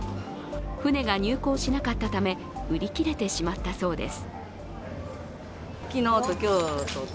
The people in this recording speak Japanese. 船が入港しなかったため、売り切れてしまったそうです。